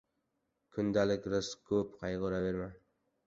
Kundalik rizq ko‘p, qayg‘uraverma.